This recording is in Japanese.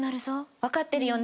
わかってるよね？